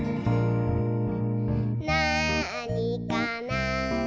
「なあにかな？」